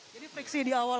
jadi friksi di awal